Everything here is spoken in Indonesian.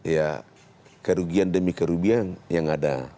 ya kerugian demi kerugian yang ada